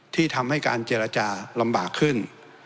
ที่ทำให้การเจรจาลำบากขึ้น